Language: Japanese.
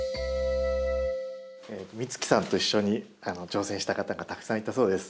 美月さんと一緒に挑戦した方がたくさんいたそうです。